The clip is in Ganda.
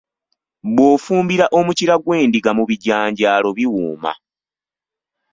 Bw’ofumbira Omukira gw’endiga mu bijanjaalo biwooma.